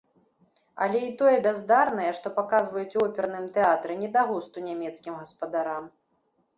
Але і тое бяздарнае, што паказваюць у оперным тэатры, не да густу нямецкім гаспадарам.